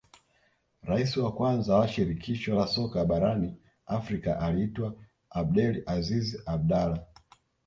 rais wa kwanza wa shirikisho la soka barani afrika aliitwa abdel aziz abdalah